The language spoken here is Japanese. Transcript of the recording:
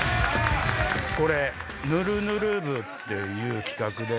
これぬるぬる部っていう企画で。